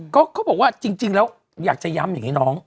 เขาบอกว่าจริงอยากจะย้ำอย่างน้อง